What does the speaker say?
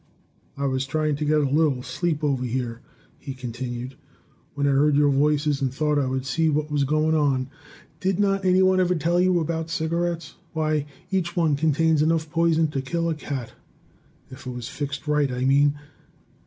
I was trying to get a little sleep over here," he continued, "when I heard your voices, and thought I would see what was going on. Did not any one ever tell you about cigarettes? Why, each one contains enough poison to kill a cat; if it was fixed right, I mean."